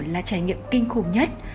là trải nghiệm kinh khủng nhất